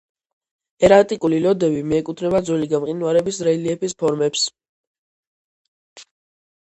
ერატიკული ლოდები მიეკუთვნება ძველი გამყინვარების რელიეფის ფორმებს.